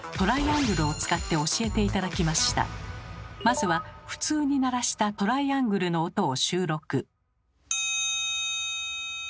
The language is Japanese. まずは普通に鳴らしたトライアングルの音を収録。